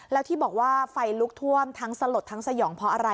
แล้วที่บอกว่าไฟลุกท่วมทั้งสลดทั้งสยองเพราะอะไร